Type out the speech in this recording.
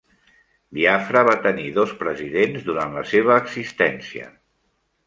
Biafra va tenir dos presidents durant la seva existència.